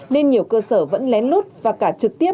nên nhiều cơ sở vẫn lén lút